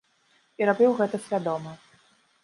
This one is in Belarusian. І рабіў гэта свядома.